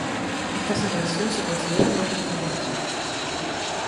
Esta asignación se considera no concluyente.